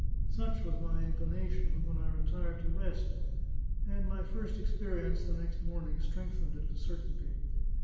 Such was my inclination, when I retired to rest; and my first experience the next morning strengthened it to certainty.